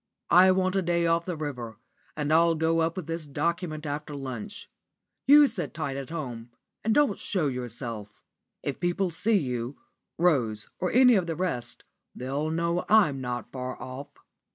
I want a day off the river, and I'll go up with this document after lunch. You sit tight at home and don't show yourself. If people see you Rose or any of the rest they'll know I'm not far off."